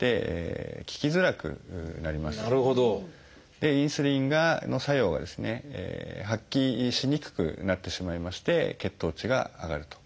でインスリンの作用がですね発揮しにくくなってしまいまして血糖値が上がると。